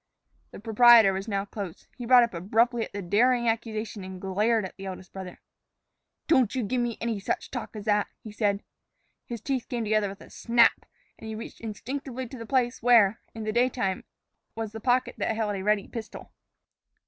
The proprietor was now close. He brought up abruptly at the daring accusation and glared at the eldest brother. "Don't you give me any such talk as that," he said. His teeth came together with a snap, and he reached instinctively to the place where, in the daytime, was the pocket that held a ready pistol.